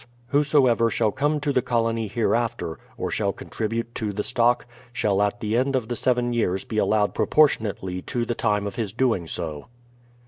Whosoever shall come to the colony hereafter, or shall con tribute to the stock, shall at the end of the seven years be allowed proportionately to the time of his doing so.